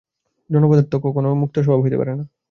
জন্যপদার্থ কখনও মুক্তস্বভাব হইতে পারে না।